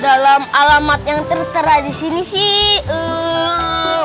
dalam alamat yang tertera disini sih